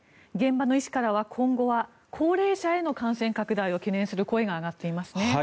現場の医師からは今後は高齢者への感染拡大を懸念する声が上がっていますね。